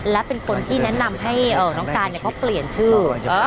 และเป็นคนที่แนะนำให้น้องการเขาเปลี่ยนชื่อ